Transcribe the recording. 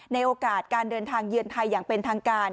ในโอกาสการเดินทางเยือนไทยอย่างเป็นทางการ